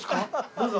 どうぞ。